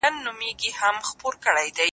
له بده مرغه دغه وضعیت اوس هم دوام لري، په